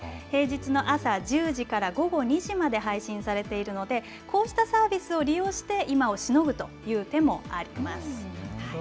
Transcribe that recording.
平日の朝１０時から午後２時まで配信されているので、こうしたサービスを利用して、今をしのぐという手もあります。